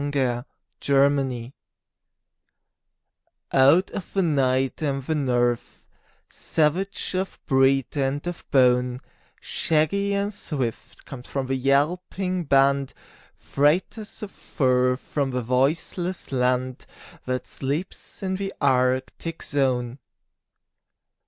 THE TRAIN DOGS Out of the night and the north; Savage of breed and of bone, Shaggy and swift comes the yelping band, Freighters of fur from the voiceless land That sleeps in the Arctic zone.